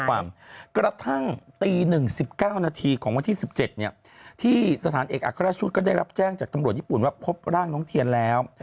กระทั่งตี๑๑๙นาทีของวันที่๑๗เนี่ยที่สถานเอกอัครราชชุดก็ได้รับแจ้งจากตำรวจญี่ปุ่นว่าพบร่างน้องเทียนแล้ว